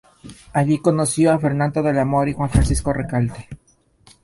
Allí conoció a Fernando de la Mora y Juan Francisco Recalde.